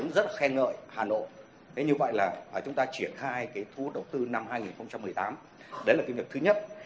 đấy là việc thứ nhất